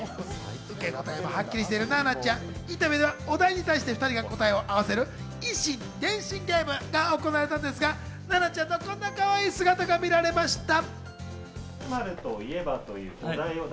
受け答えもはっきりしている奈々ちゃん、インタビューではお題に対して２人が答えを合わせる以心伝心ゲームが行われたんですが、奈々ちゃんのこんなかわいい姿が見られました。